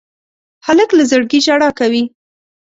هلک له زړګي ژړا کوي.